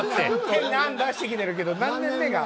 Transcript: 変な案出してきてるけど何年目が。